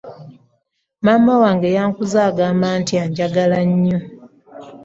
maama wange yankuza angamba nti anjagala nnyo.